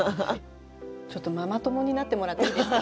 ちょっとママ友になってもらっていいですか？